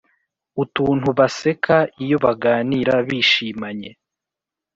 utuntu baseka iyo baganira bishimanye